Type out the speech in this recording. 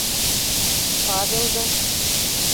Павелды...